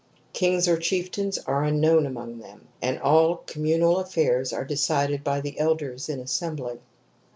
Kings or chieftains are unknown among them, and all communal affairs are decided by the elders in assembly.